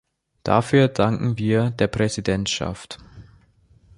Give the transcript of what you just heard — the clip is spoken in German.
Dafür danken wir der Präsidentschaft.